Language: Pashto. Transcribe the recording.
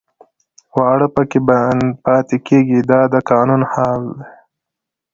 واړه پکې بند پاتې کېږي دا د قانون حال دی.